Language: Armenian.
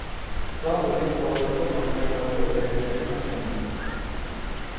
Սա օրենքով հաստատաված ամենակարևոր հայրենասիրական տոնն է։